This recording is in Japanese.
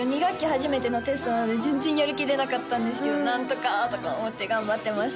初めてのテストなので全然やる気出なかったんですけどなんとかとか思って頑張ってました